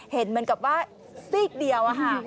เห็นเหมือนกับว่าซีกเดียว